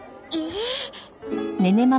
ええ？